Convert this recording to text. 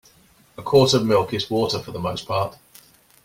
A quart of milk is water for the most part.